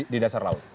di dasar laut